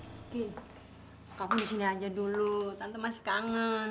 oke kamu di sini aja dulu tante masih kangen